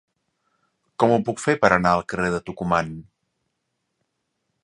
Com ho puc fer per anar al carrer de Tucumán?